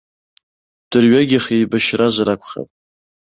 Дырҩегьых еибашьразар акәхап.